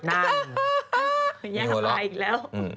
ยากทำอะไรแล้ว